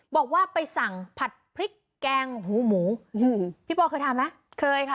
บอกว่าไปสั่งผัดพริกแกงหูหมูพี่ป่อเคยทานไหม